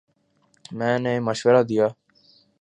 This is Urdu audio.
میں نے مشورہ دیا